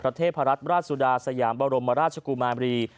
ประเทศพระราชราชสุดาสยามรมราชกุมารี